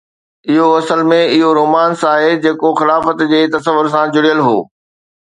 اهو اصل ۾ اهو رومانس آهي جيڪو خلافت جي تصور سان جڙيل هو.